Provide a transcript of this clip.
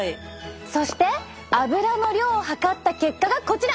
そしてアブラの量を測った結果がこちら！